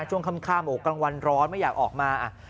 ช่วงค่ำกลางวันร้อนไม่อยากออกมา